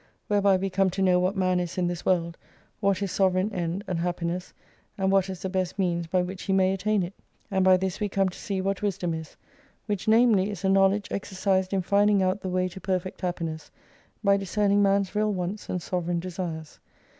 Whereby we come to know what man is in this world, what his sovereign end and happiness, and what is the best means by which he may attain it. And by this we come to see what wisdom is : which namely is a knowledge exercised in finding out the way to perfect happiness, by discerning man's real wants and sovereign desires.